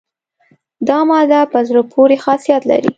دا ماده په زړه پورې خاصیت لري.